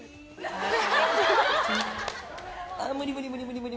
無理無理無理無理。